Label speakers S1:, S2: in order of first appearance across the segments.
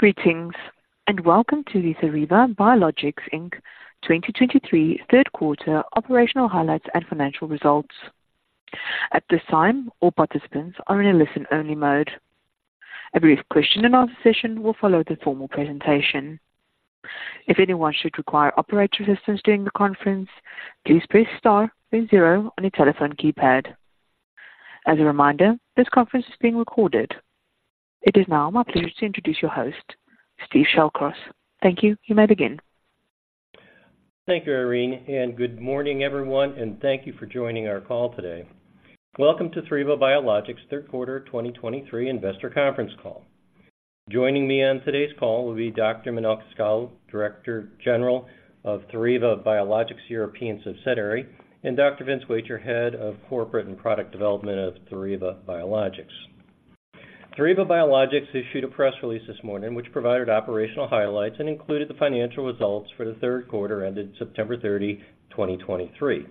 S1: Greetings, and welcome to the Theriva Biologics, Inc. 2023 third quarter operational highlights and financial results. At this time, all participants are in a listen-only mode. A brief question and answer session will follow the formal presentation. If anyone should require operator assistance during the conference, please press star then zero on your telephone keypad. As a reminder, this conference is being recorded. It is now my pleasure to introduce your host, Steven Shallcross. Thank you. You may begin.
S2: Thank you, Irene, and good morning, everyone, and thank you for joining our call today. Welcome to Theriva Biologics' third quarter 2023 investor conference call. Joining me on today's call will be Dr. Manel Cascalló, General Director of Theriva Biologics' European subsidiary, and Dr. Vince Wacher, Head of Corporate and Product Development of Theriva Biologics. Theriva Biologics issued a press release this morning, which provided operational highlights and included the financial results for the third quarter ended September 30, 2023.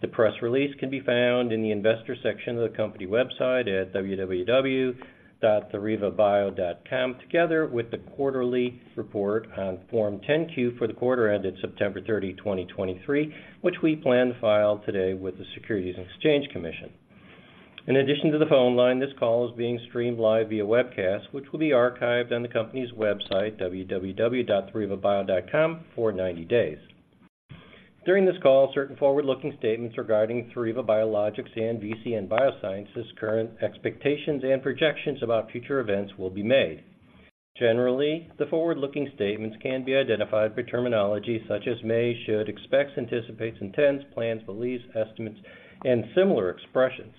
S2: The press release can be found in the investor section of the company website at www.therivabio.com, together with the quarterly report on Form 10-Q for the quarter ended September 30, 2023, which we plan to file today with the Securities and Exchange Commission. In addition to the phone line, this call is being streamed live via webcast, which will be archived on the company's website, www.therivabio.com, for 90 days. During this call, certain forward-looking statements regarding Theriva Biologics and VCN Biosciences current expectations and projections about future events will be made. Generally, the forward-looking statements can be identified for terminology such as may, should, expects, anticipates, intends, plans, believes, estimates, and similar expressions.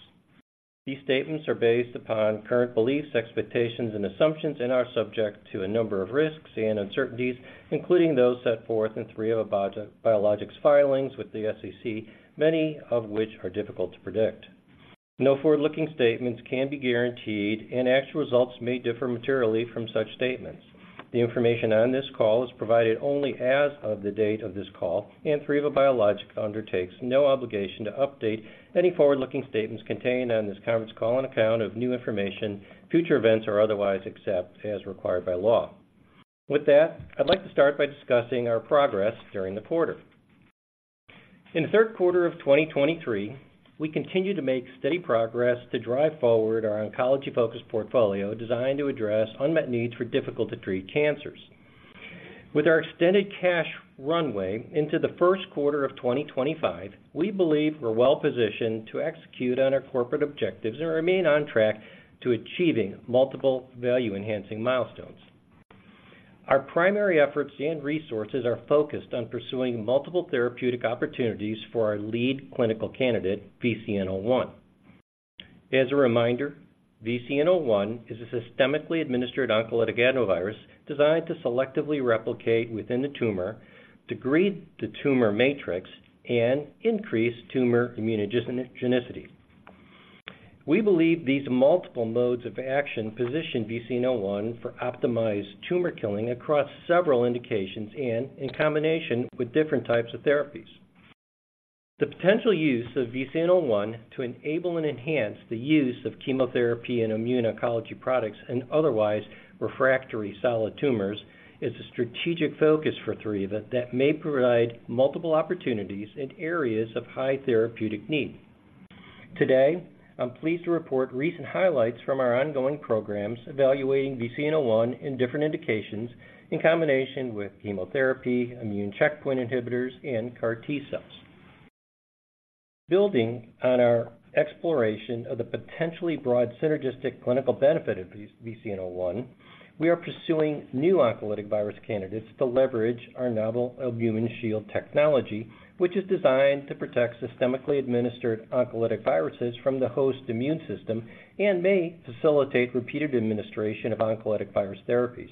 S2: These statements are based upon current beliefs, expectations, and assumptions, and are subject to a number of risks and uncertainties, including those set forth in Theriva Biologics filings with the SEC, many of which are difficult to predict. No forward-looking statements can be guaranteed, and actual results may differ materially from such statements. The information on this call is provided only as of the date of this call, and Theriva Biologics undertakes no obligation to update any forward-looking statements contained on this conference call on account of new information, future events, or otherwise, except as required by law. With that, I'd like to start by discussing our progress during the quarter. In the third quarter of 2023, we continued to make steady progress to drive forward our oncology-focused portfolio, designed to address unmet needs for difficult-to-treat cancers. With our extended cash runway into the first quarter of 2025, we believe we're well-positioned to execute on our corporate objectives and remain on track to achieving multiple value-enhancing milestones. Our primary efforts and resources are focused on pursuing multiple therapeutic opportunities for our lead clinical candidate, VCN-01. As a reminder, VCN-01 is a systemically administered oncolytic adenovirus designed to selectively replicate within the tumor, degrade the tumor matrix, and increase tumor immunogenicity. We believe these multiple modes of action position VCN-01 for optimized tumor killing across several indications and in combination with different types of therapies. The potential use of VCN-01 to enable and enhance the use of chemotherapy and immuno-oncology products in otherwise refractory solid tumors is a strategic focus for Theriva that may provide multiple opportunities in areas of high therapeutic need. Today, I'm pleased to report recent highlights from our ongoing programs evaluating VCN-01 in different indications in combination with chemotherapy, immune checkpoint inhibitors, and CAR-T cells. Building on our exploration of the potentially broad synergistic clinical benefit of VCN-01, we are pursuing new oncolytic virus candidates to leverage our novel Albumin Shield technology, which is designed to protect systemically administered oncolytic viruses from the host immune system and may facilitate repeated administration of oncolytic virus therapies.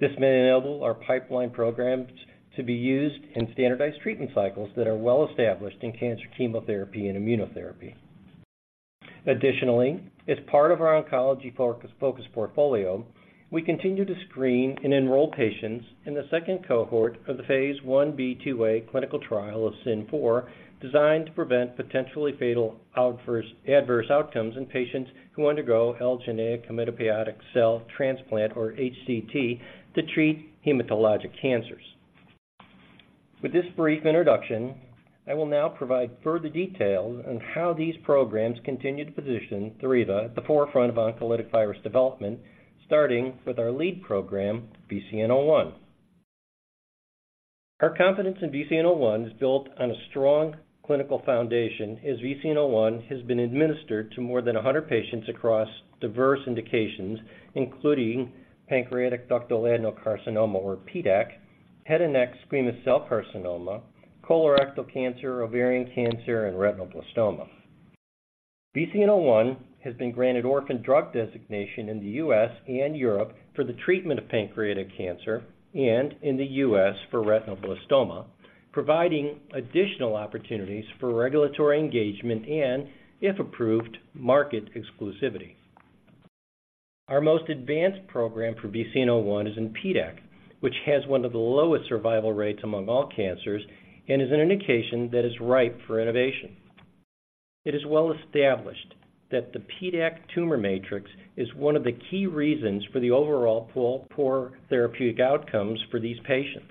S2: This may enable our pipeline programs to be used in standardized treatment cycles that are well-established in cancer, chemotherapy, and immunotherapy. Additionally, as part of our oncology focus portfolio, we continue to screen and enroll patients in the second cohort of the phase 1b/2a clinical trial of SYN-004, designed to prevent potentially fatal adverse outcomes in patients who undergo allogeneic hematopoietic cell transplant, or HCT, to treat hematologic cancers. With this brief introduction, I will now provide further details on how these programs continue to position Theriva at the forefront of oncolytic virus development, starting with our lead program, VCN-01. Our confidence in VCN-01 is built on a strong clinical foundation, as VCN-01 has been administered to more than 100 patients across diverse indications, including pancreatic ductal adenocarcinoma, or PDAC, head and neck squamous cell carcinoma, colorectal cancer, ovarian cancer, and retinoblastoma. VCN-01 has been granted orphan drug designation in the U.S. and Europe for the treatment of pancreatic cancer and in the U.S. for retinoblastoma, providing additional opportunities for regulatory engagement and, if approved, market exclusivity. Our most advanced program for VCN-01 is in PDAC, which has one of the lowest survival rates among all cancers and is an indication that is ripe for innovation.... It is well established that the PDAC tumor matrix is one of the key reasons for the overall poor, poor therapeutic outcomes for these patients.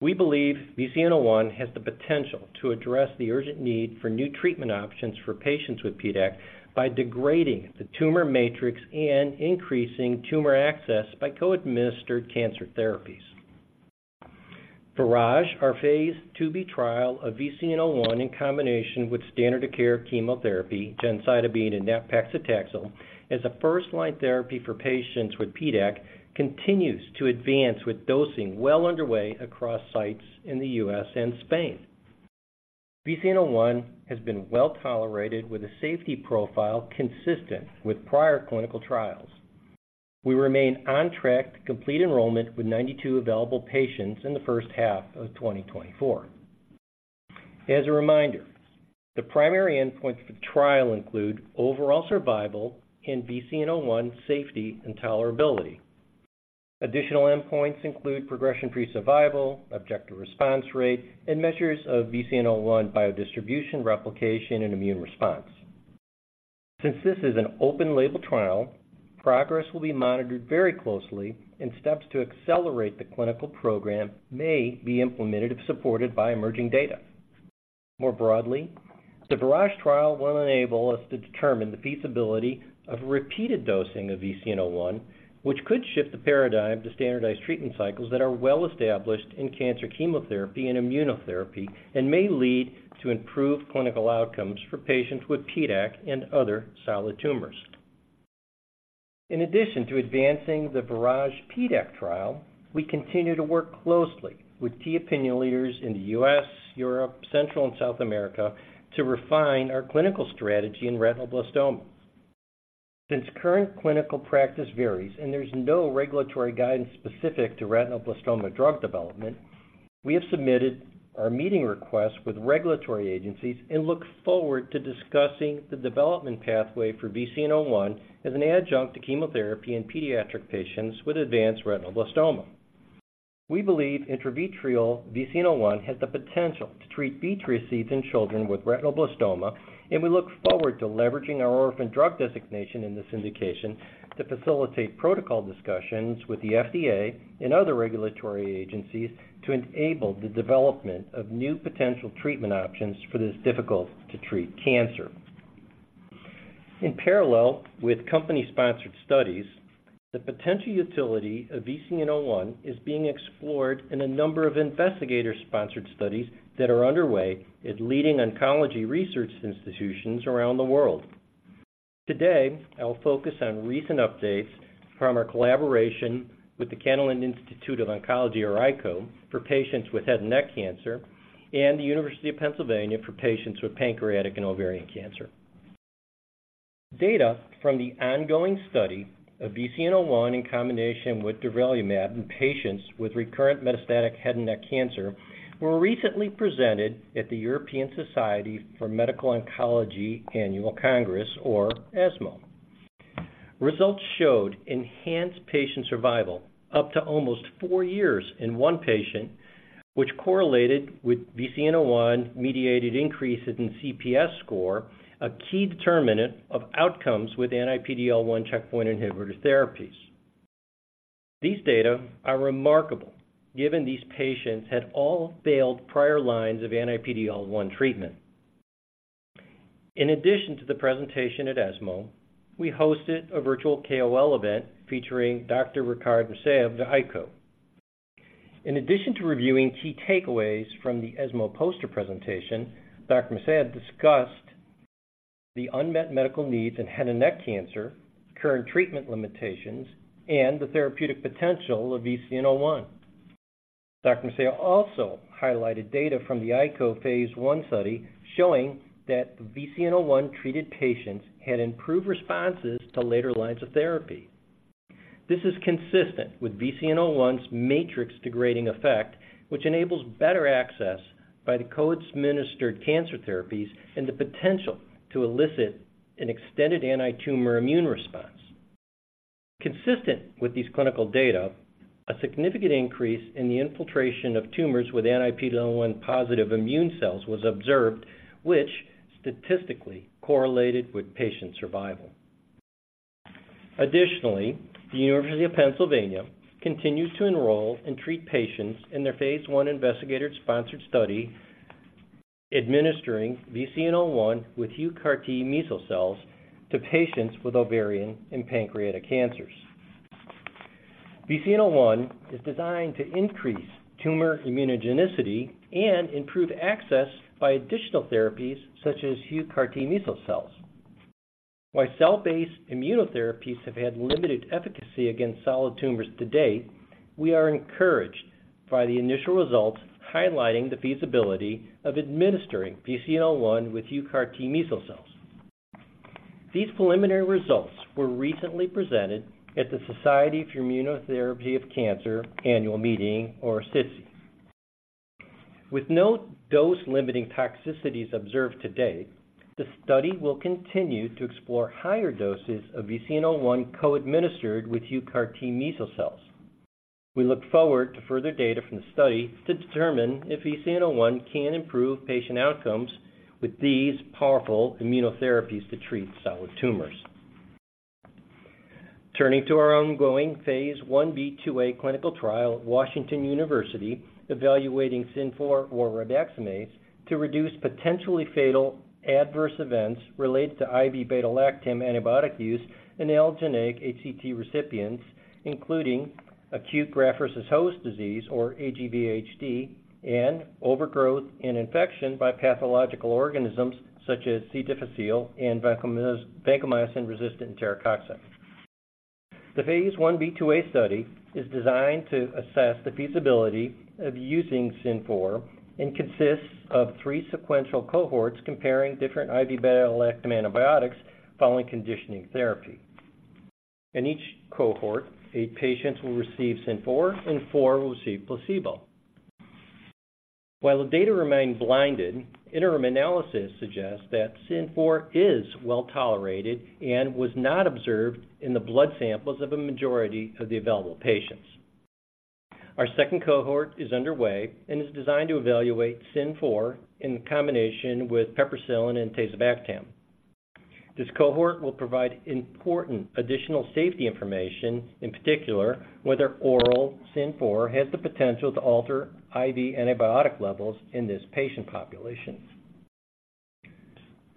S2: We believe VCN-01 has the potential to address the urgent need for new treatment options for patients with PDAC by degrading the tumor matrix and increasing tumor access by co-administered cancer therapies. VIRAGE, our phase 2b trial of VCN-01 in combination with standard of care chemotherapy, gemcitabine and nab-paclitaxel, as a first-line therapy for patients with PDAC, continues to advance with dosing well underway across sites in the U.S. and Spain. VCN-01 has been well-tolerated, with a safety profile consistent with prior clinical trials. We remain on track to complete enrollment with 92 available patients in the first half of 2024. As a reminder, the primary endpoints for the trial include overall survival and VCN-01 safety and tolerability. Additional endpoints include progression-free survival, objective response rate, and measures of VCN-01 biodistribution, replication, and immune response. Since this is an open label trial, progress will be monitored very closely, and steps to accelerate the clinical program may be implemented if supported by emerging data. More broadly, the VIRAGE trial will enable us to determine the feasibility of repeated dosing of VCN-01, which could shift the paradigm to standardized treatment cycles that are well established in cancer, chemotherapy, and immunotherapy, and may lead to improved clinical outcomes for patients with PDAC and other solid tumors. In addition to advancing the VIRAGE PDAC trial, we continue to work closely with key opinion leaders in the U.S., Europe, Central and South America to refine our clinical strategy in retinoblastoma. Since current clinical practice varies and there's no regulatory guidance specific to retinoblastoma drug development, we have submitted our meeting request with regulatory agencies and look forward to discussing the development pathway for VCN-01 as an adjunct to chemotherapy in pediatric patients with advanced retinoblastoma. We believe intravitreal VCN-01 has the potential to treat vitreous seeds in children with retinoblastoma, and we look forward to leveraging our orphan drug designation in this indication to facilitate protocol discussions with the FDA and other regulatory agencies to enable the development of new potential treatment options for this difficult-to-treat cancer. In parallel with company-sponsored studies, the potential utility of VCN-01 is being explored in a number of investigator-sponsored studies that are underway at leading oncology research institutions around the world. Today, I will focus on recent updates from our collaboration with the Institut Català d'Oncologia, or ICO, for patients with head and neck cancer, and the University of Pennsylvania for patients with pancreatic and ovarian cancer. Data from the ongoing study of VCN-01 in combination with durvalumab in patients with recurrent metastatic head and neck cancer were recently presented at the European Society for Medical Oncology Annual Congress, or ESMO. Results showed enhanced patient survival up to almost four years in one patient, which correlated with VCN-01 mediated increases in CPS score, a key determinant of outcomes with anti-PD-L1 checkpoint inhibitor therapies. These data are remarkable, given these patients had all failed prior lines of anti-PD-L1 treatment. In addition to the presentation at ESMO, we hosted a virtual KOL event featuring Dr. Ricard Mesia of the ICO. In addition to reviewing key takeaways from the ESMO poster presentation, Dr. Mesia discussed the unmet medical needs in head and neck cancer, current treatment limitations, and the therapeutic potential of VCN-01. Dr. Mesia also highlighted data from the ICO phase 1 study, showing that VCN-01-treated patients had improved responses to later lines of therapy. This is consistent with VCN-01's matrix-degrading effect, which enables better access by the co-administered cancer therapies and the potential to elicit an extended anti-tumor immune response. Consistent with these clinical data, a significant increase in the infiltration of tumors with anti-PD-L1 positive immune cells was observed, which statistically correlated with patient survival. Additionally, the University of Pennsylvania continues to enroll and treat patients in their phase 1 investigator-sponsored study, administering VCN-01 with huCART-meso cells to patients with ovarian and pancreatic cancers. VCN-01 is designed to increase tumor immunogenicity and improve access by additional therapies, such as huCART-meso cells. While cell-based immunotherapies have had limited efficacy against solid tumors to date, we are encouraged by the initial results, highlighting the feasibility of administering VCN-01 with huCART-meso cells. These preliminary results were recently presented at the Society for Immunotherapy of Cancer Annual Meeting, or SITC. With no dose-limiting toxicities observed to date, the study will continue to explore higher doses of VCN-01 co-administered with huCART-meso cells.... We look forward to further data from the study to determine if VCN-01 can improve patient outcomes with these powerful immunotherapies to treat solid tumors. Turning to our ongoing phase 1b/2a clinical trial at Washington University, evaluating SYN-004, or ribaxamase, to reduce potentially fatal adverse events related to IV beta-lactam antibiotic use in allogeneic HCT recipients, including acute graft-versus-host disease, or aGVHD, and overgrowth and infection by pathological organisms such as C. difficile and vancomycin-resistant enterococci. The phase 1b/2a study is designed to assess the feasibility of using SYN-004 and consists of three sequential cohorts comparing different IV beta-lactam antibiotics following conditioning therapy. In each cohort, eight patients will receive SYN-004 and four will receive placebo. While the data remain blinded, interim analysis suggests that SYN-004 is well-tolerated and was not observed in the blood samples of a majority of the available patients. Our second cohort is underway and is designed to evaluate SYN-004 in combination with piperacillin and tazobactam. This cohort will provide important additional safety information, in particular, whether oral SYN-004 has the potential to alter IV antibiotic levels in this patient population.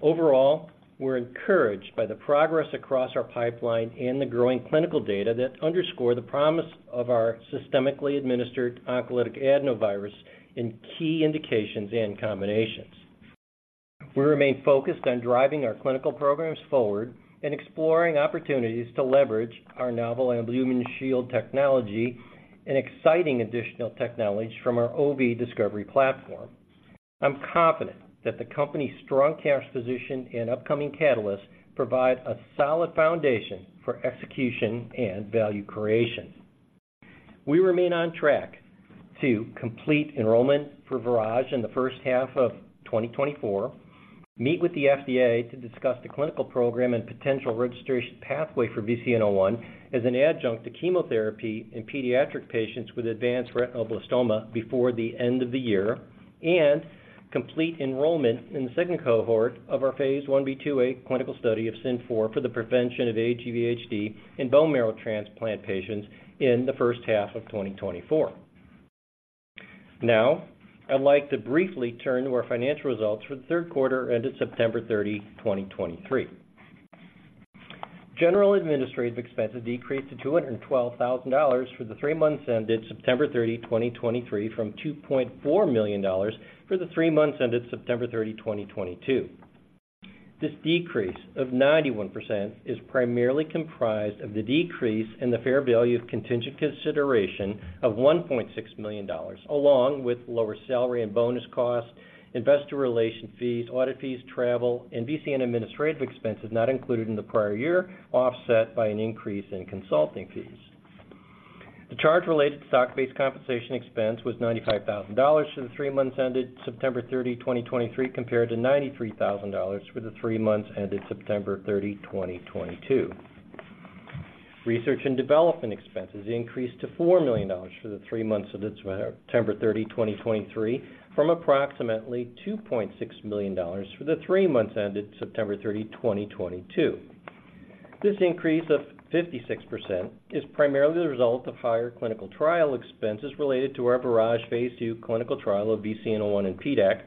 S2: Overall, we're encouraged by the progress across our pipeline and the growing clinical data that underscore the promise of our systemically administered oncolytic adenovirus in key indications and combinations. We remain focused on driving our clinical programs forward and exploring opportunities to leverage our novel immunoshield technology and exciting additional technologies from our OV discovery platform. I'm confident that the company's strong cash position and upcoming catalysts provide a solid foundation for execution and value creation. We remain on track to complete enrollment for VIRAGE in the first half of 2024, meet with the FDA to discuss the clinical program and potential registration pathway for VCN-01 as an adjunct to chemotherapy in pediatric patients with advanced retinoblastoma before the end of the year, and complete enrollment in the second cohort of our Phase 1b/2a clinical study of SYN-004 for the prevention of aGVHD in bone marrow transplant patients in the first half of 2024. Now, I'd like to briefly turn to our financial results for the third quarter ended September 30, 2023. General and administrative expenses decreased to $212,000 for the three months ended September 30, 2023, from $2.4 million for the three months ended September 30, 2022. This decrease of 91% is primarily comprised of the decrease in the fair value of contingent consideration of $1.6 million, along with lower salary and bonus costs, investor relation fees, audit fees, travel, and VCN administrative expenses not included in the prior year, offset by an increase in consulting fees. The charge related to stock-based compensation expense was $95,000 for the three months ended September 30, 2023, compared to $93,000 for the three months ended September 30, 2022. Research and development expenses increased to $4 million for the three months ended September 30, 2023, from approximately $2.6 million for the three months ended September 30, 2022. This increase of 56% is primarily the result of higher clinical trial expenses related to our VIRAGE phase II clinical trial of VCN-01 in PDAC,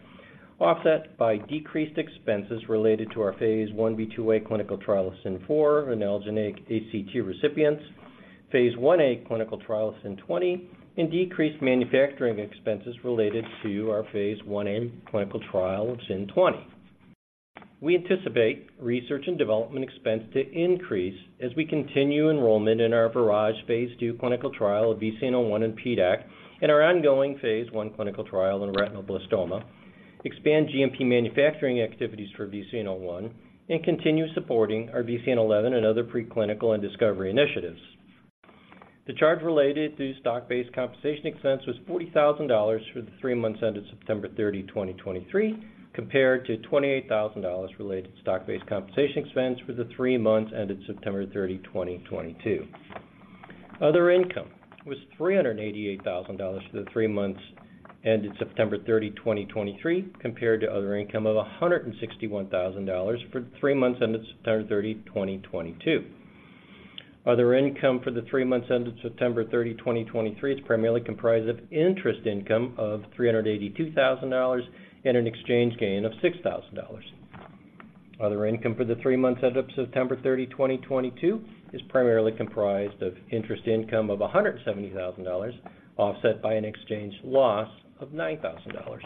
S2: offset by decreased expenses related to our phase 1b/2a clinical trial of SYN-004 in allogeneic HCT recipients, phase 1a clinical trial of SYN-020, and decreased manufacturing expenses related to our phase 1a clinical trial of SYN-020. We anticipate research and development expense to increase as we continue enrollment in our VIRAGE phase II clinical trial of VCN-01 in PDAC and our ongoing phase I clinical trial in retinoblastoma, expand GMP manufacturing activities for VCN-01, and continue supporting our VCN-11 and other preclinical and discovery initiatives. The charge related to stock-based compensation expense was $40,000 for the three months ended September 30, 2023, compared to $28,000 related to stock-based compensation expense for the three months ended September 30, 2022. Other income was $388,000 for the three months ended September 30, 2023, compared to other income of $161,000 for the three months ended September 30, 2022. Other income for the three months ended September 30, 2023, is primarily comprised of interest income of $382,000, and an exchange gain of $6,000. Other income for the three months ended September 30, 2022, is primarily comprised of interest income of $170,000, offset by an exchange loss of $9,000.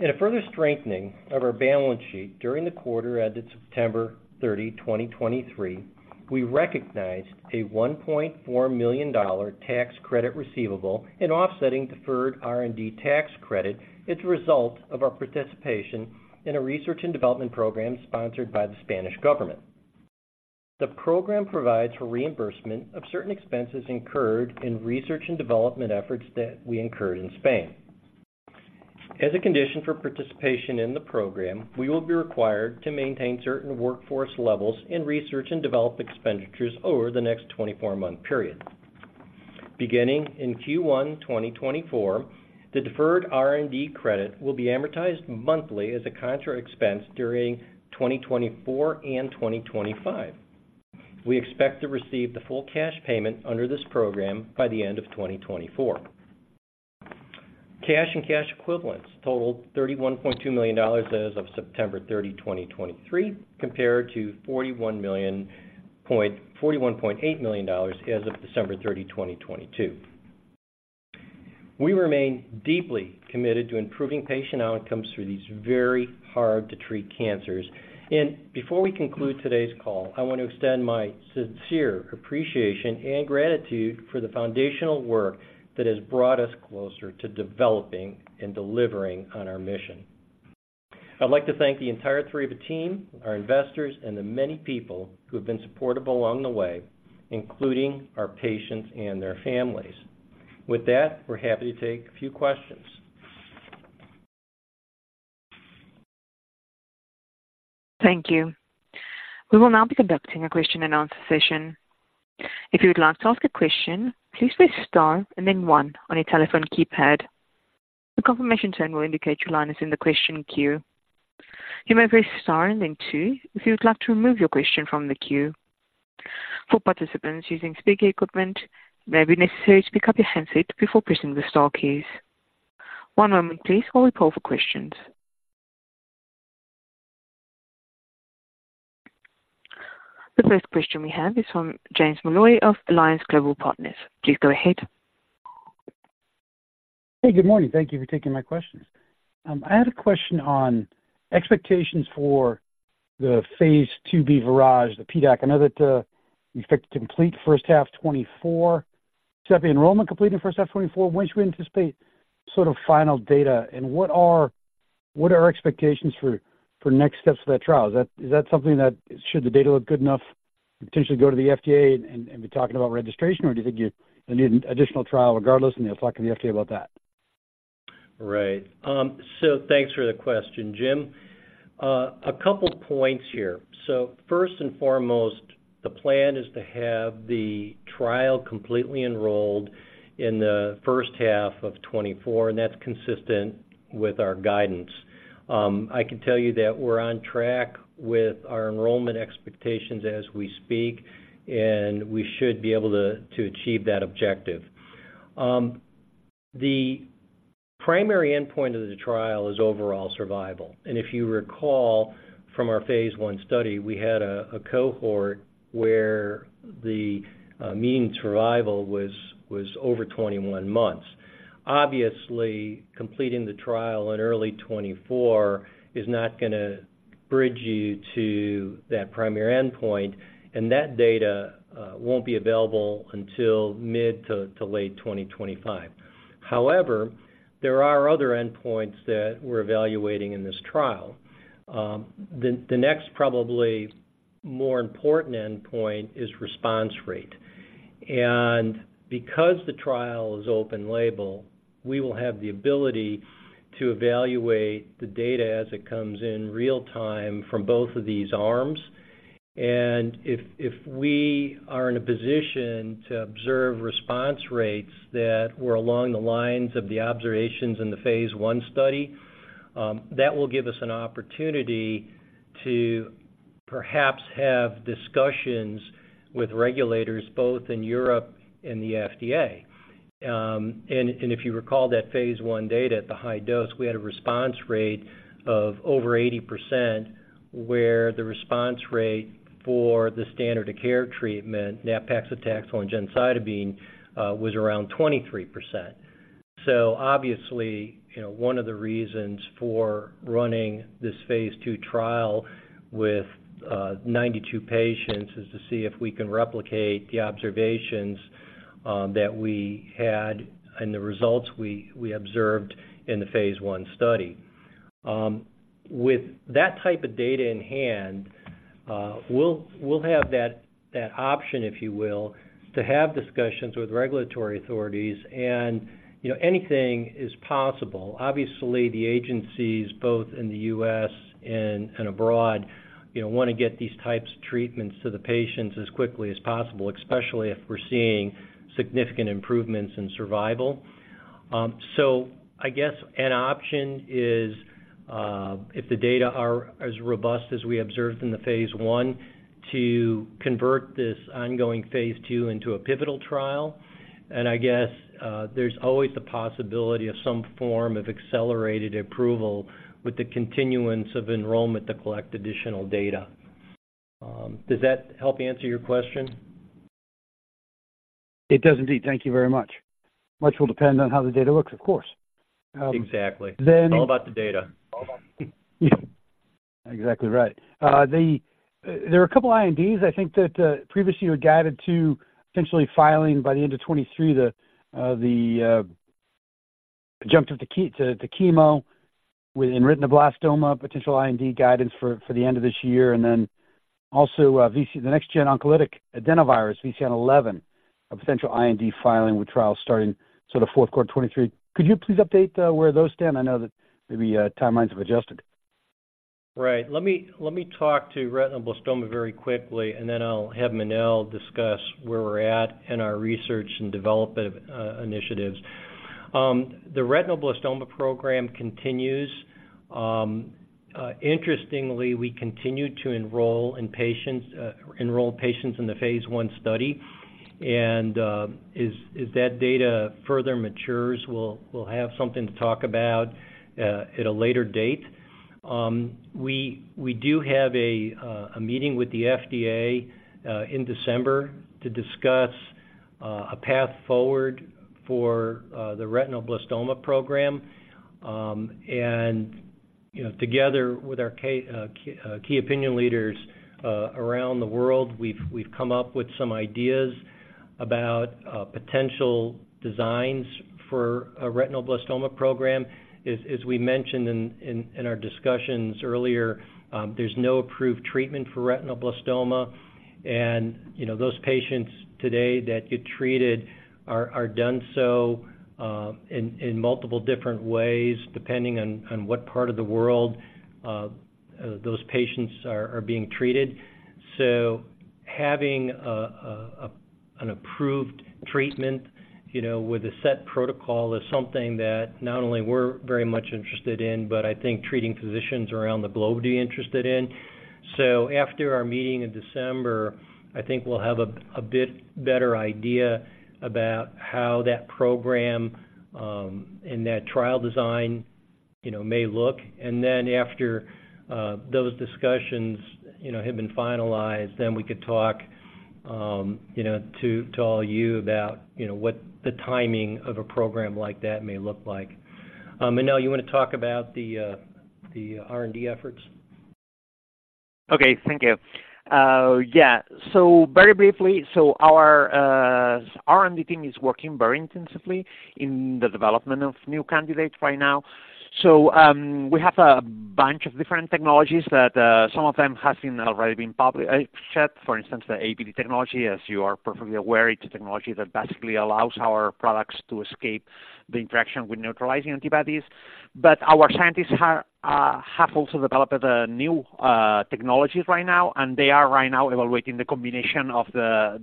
S2: In a further strengthening of our balance sheet during the quarter ended September 30, 2023, we recognized a $1.4 million tax credit receivable and offsetting deferred R&D tax credit as a result of our participation in a research and development program sponsored by the Spanish government. The program provides for reimbursement of certain expenses incurred in research and development efforts that we incurred in Spain. As a condition for participation in the program, we will be required to maintain certain workforce levels and research and develop expenditures over the next 24-month period. Beginning in Q1 2024, the deferred R&D credit will be amortized monthly as a contra expense during 2024 and 2025. We expect to receive the full cash payment under this program by the end of 2024. Cash and cash equivalents totaled $31.2 million as of September thirty, 2023, compared to $41.8 million as of December thirty, 2022. We remain deeply committed to improving patient outcomes for these very hard-to-treat cancers. And before we conclude today's call, I want to extend my sincere appreciation and gratitude for the foundational work that has brought us closer to developing and delivering on our mission. I'd like to thank the entire Theriva team, our investors, and the many people who have been supportive along the way, including our patients and their families. With that, we're happy to take a few questions.
S1: Thank you. We will now be conducting a question-and-answer session. If you would like to ask a question, please press Star and then one on your telephone keypad. A confirmation tone will indicate your line is in the question queue. You may press Star and then two, if you would like to remove your question from the queue. For participants using speaker equipment, it may be necessary to pick up your handset before pressing the star keys. One moment please, while we poll for questions. The first question we have is from James Molloy of Alliance Global Partners. Please go ahead.
S3: Hey, good morning. Thank you for taking my questions. I had a question on expectations for the phase 2b VIRAGE, the PDAC. I know that, you expect to complete first half 2024. Should have the enrollment completed in first half 2024? When should we anticipate sort of final data, and what are, what are expectations for, for next steps for that trial? Is that, is that something that should the data look good enough to potentially go to the FDA and, and be talking about registration, or do you think you need an additional trial regardless, and you'll talk to the FDA about that?
S2: Right. So thanks for the question, James. A couple points here. So first and foremost, the plan is to have the trial completely enrolled in the first half of 2024, and that's consistent with our guidance. I can tell you that we're on track with our enrollment expectations as we speak, and we should be able to achieve that objective. The primary endpoint of the trial is overall survival, and if you recall from our phase 1 study, we had a cohort where the mean survival was over 21 months. Obviously, completing the trial in early 2024 is not gonna bridge you to that primary endpoint, and that data won't be available until mid- to late 2025. However, there are other endpoints that we're evaluating in this trial. The next, probably more important endpoint is response rate. And because the trial is open label, we will have the ability to evaluate the data as it comes in real-time from both of these arms. And if we are in a position to observe response rates that were along the lines of the observations in the phase 1 study, that will give us an opportunity to perhaps have discussions with regulators, both in Europe and the FDA. And if you recall that phase 1 data at the high dose, we had a response rate of over 80%, where the response rate for the standard of care treatment, nab-paclitaxel and gemcitabine, was around 23%. Obviously, you know, one of the reasons for running this phase 2 trial with 92 patients is to see if we can replicate the observations that we had and the results we observed in the phase 1 study. With that type of data in hand, we'll have that option, if you will, to have discussions with regulatory authorities and, you know, anything is possible. Obviously, the agencies both in the U.S. and abroad, you know, want to get these types of treatments to the patients as quickly as possible, especially if we're seeing significant improvements in survival. So I guess an option is, if the data are as robust as we observed in the phase 1, to convert this ongoing phase 2 into a pivotal trial. I guess, there's always the possibility of some form of accelerated approval with the continuance of enrollment to collect additional data. Does that help answer your question?
S3: It does indeed. Thank you very much. Much will depend on how the data looks, of course.
S2: Exactly.
S3: Then-
S2: It's all about the data.
S3: Exactly right. There are a couple INDs, I think that previously you had guided to potentially filing by the end of 2023 the adjunctive to chemo within retinoblastoma, potential IND guidance for the end of this year and then also VCN, the next gen oncolytic adenovirus, VCN-11, a potential IND filing with trials starting sort of fourth quarter 2023. Could you please update where those stand? I know that maybe timelines have adjusted.
S2: Right. Let me talk to retinoblastoma very quickly, and then I'll have Manel discuss where we're at in our research and development initiatives. The retinoblastoma program continues. Interestingly, we continue to enroll patients in the phase 1 study, and, as that data further matures, we'll have something to talk about at a later date. We do have a meeting with the FDA in December to discuss a path forward for the retinoblastoma program. And, you know, together with our key opinion leaders around the world, we've come up with some ideas about potential designs for a retinoblastoma program. As we mentioned in our discussions earlier, there's no approved treatment for retinoblastoma, and, you know, those patients today that get treated are done so in multiple different ways, depending on what part of the world those patients are being treated. So having an approved treatment, you know, with a set protocol is something that not only we're very much interested in, but I think treating physicians around the globe would be interested in. So after our meeting in December, I think we'll have a bit better idea about how that program and that trial design, you know, may look. And then after those discussions, you know, have been finalized, then we could talk, you know, to all you about, you know, what the timing of a program like that may look like. Manel, you wanna talk about the R&D efforts?
S4: Okay. Thank you. Yeah. So very briefly, so our R&D team is working very intensively in the development of new candidates right now. So, we have a bunch of different technologies that, some of them have already been public. Said, for instance, the Albumin Shield technology, as you are perfectly aware, it's a technology that basically allows our products to escape the interaction with neutralizing antibodies. But our scientists have also developed the new technologies right now, and they are right now evaluating the combination of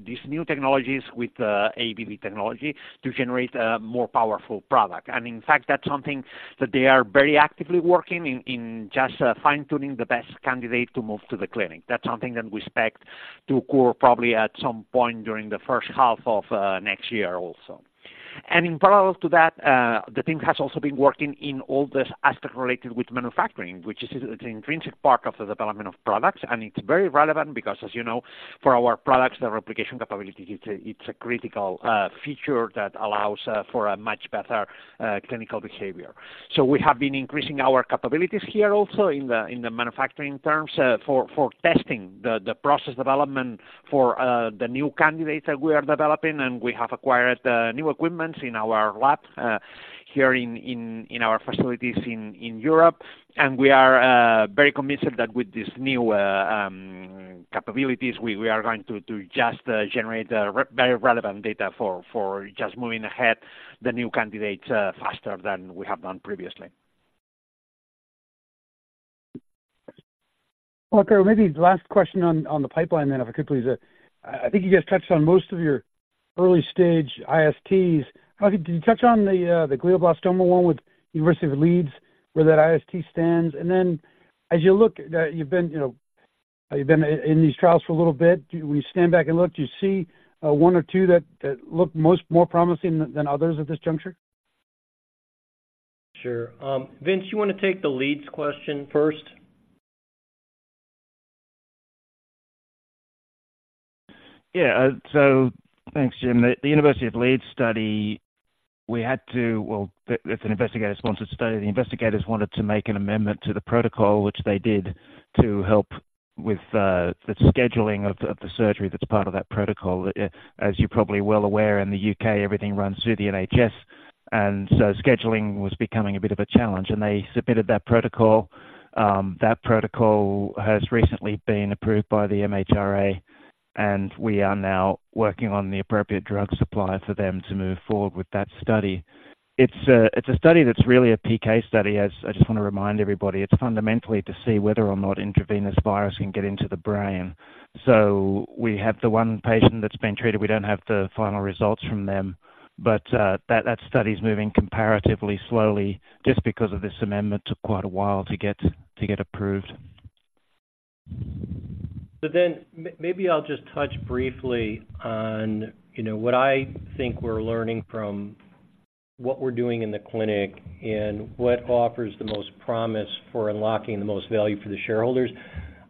S4: these new technologies with the Albumin Shield technology to generate a more powerful product. And in fact, that's something that they are very actively working in, in just fine-tuning the best candidate to move to the clinic. That's something that we expect to occur probably at some point during the first half of next year also. And in parallel to that, the team has also been working in all the aspects related with manufacturing, which is an intrinsic part of the development of products. And it's very relevant because, as you know, for our products, the replication capability, it's a critical feature that allows for a much better clinical behavior. So we have been increasing our capabilities here also in the manufacturing terms for testing the process development for the new candidates that we are developing, and we have acquired new equipment in our lab here in our facilities in Europe. And we are very convinced that with these new capabilities, we are going to just generate very relevant data for just moving ahead the new candidates faster than we have done previously.
S3: Well, maybe the last question on the pipeline then, if I could please. I think you guys touched on most of your early-stage ISTs. Did you touch on the glioblastoma one with University of Leeds, where that IST stands? And then as you look, you've been, you know, you've been in these trials for a little bit, when you stand back and look, do you see one or two that look most more promising than others at this juncture?
S2: Sure. Vince, you wanna take the Leeds question first?
S5: Yeah. So thanks, James. The University of Leeds study, we had to. Well, it's an investigator-sponsored study. The investigators wanted to make an amendment to the protocol, which they did, to help with the scheduling of the surgery that's part of that protocol. As you're probably well aware, in the U.K., everything runs through the NHS, and so scheduling was becoming a bit of a challenge, and they submitted that protocol. That protocol has recently been approved by the MHRA, and we are now working on the appropriate drug supply for them to move forward with that study. It's a study that's really a PK study. As I just wanna remind everybody, it's fundamentally to see whether or not intravenous virus can get into the brain. So we have the one patient that's been treated. We don't have the final results from them, but that study is moving comparatively slowly just because of this amendment. Took quite a while to get approved.
S2: So then maybe I'll just touch briefly on, you know, what I think we're learning from what we're doing in the clinic and what offers the most promise for unlocking the most value for the shareholders.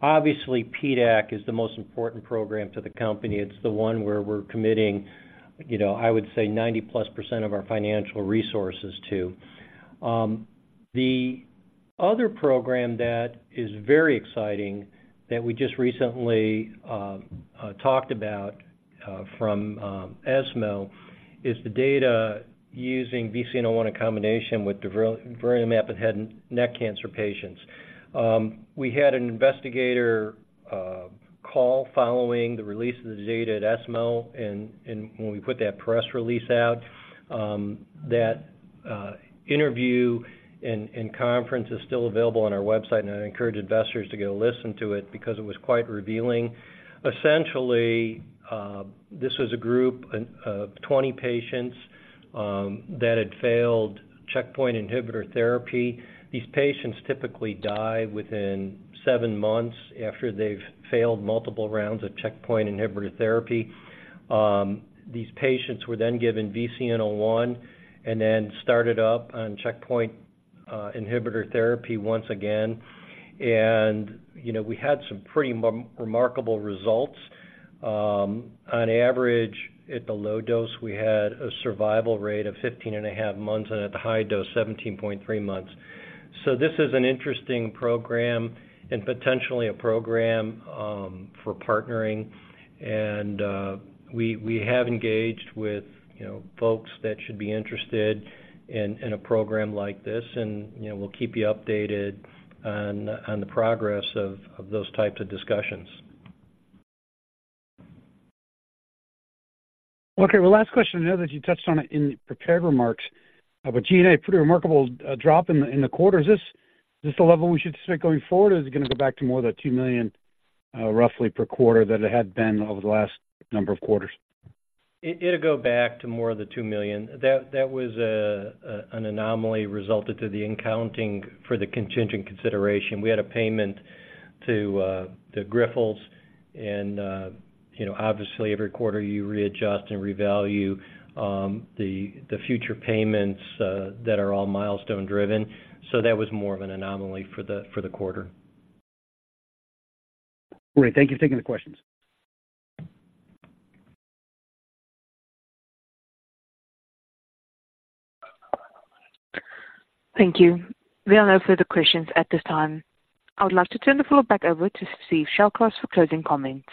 S2: Obviously, PDAC is the most important program to the company. It's the one where we're committing, you know, I would say 90%+ of our financial resources to. The other program that is very exciting, that we just recently talked about from ESMO, is the data using VCN-01 in combination with durvalumab in head and neck cancer patients. We had an investigator call following the release of the data at ESMO, and when we put that press release out, that interview and conference is still available on our website, and I encourage investors to go listen to it because it was quite revealing. Essentially, this was a group of 20 patients that had failed checkpoint inhibitor therapy. These patients typically die within seven months after they've failed multiple rounds of checkpoint inhibitor therapy. These patients were then given VCN-01 and then started up on checkpoint inhibitor therapy once again. And, you know, we had some pretty remarkable results. On average, at the low dose, we had a survival rate of 15.5 months, and at the high dose, 17.3 months. This is an interesting program and potentially a program for partnering. We have engaged with, you know, folks that should be interested in a program like this. You know, we'll keep you updated on the progress of those types of discussions.
S3: Okay, well, last question. I know that you touched on it in prepared remarks, but G&A, pretty remarkable drop in the quarter. Is this the level we should expect going forward, or is it gonna go back to more than $2 million roughly per quarter that it had been over the last number of quarters?
S2: It'll go back to more of the $2 million. That was an anomaly resulted to the accounting for the contingent consideration. We had a payment to Grifols, and you know, obviously, every quarter you readjust and revalue the future payments that are all milestone driven. So that was more of an anomaly for the quarter.
S3: Great. Thank you for taking the questions.
S1: Thank you. We have no further questions at this time. I would like to turn the floor back over to Steven Shallcross for closing comments.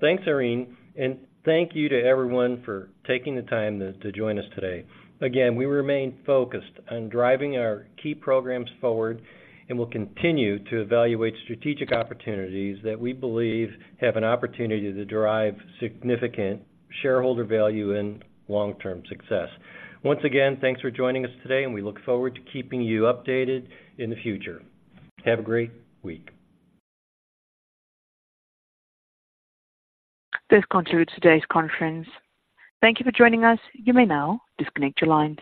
S2: Thanks, Irene, and thank you to everyone for taking the time to join us today. Again, we remain focused on driving our key programs forward, and we'll continue to evaluate strategic opportunities that we believe have an opportunity to derive significant shareholder value and long-term success. Once again, thanks for joining us today, and we look forward to keeping you updated in the future. Have a great week.
S1: This concludes today's conference. Thank you for joining us. You may now disconnect your lines.